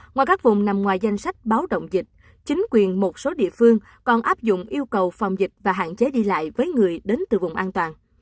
ngoài các vùng nằm ngoài danh sách báo động dịch chính quyền một số địa phương còn áp dụng yêu cầu phòng dịch và hạn chế đi lại với người đến từ vùng an toàn